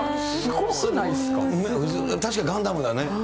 確かにガンダムだね。